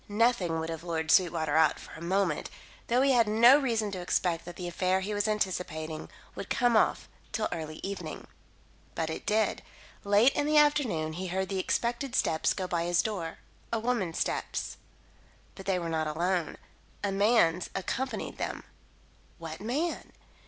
Nothing would have lured Sweetwater out for a moment, though he had no reason to expect that the affair he was anticipating would come off till early evening. But it did. Late in the afternoon he heard the expected steps go by his door a woman's steps. But they were not alone. A man's accompanied them. What man?